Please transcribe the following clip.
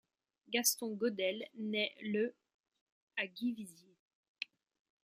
Gaston Godel naît le à Givisiez.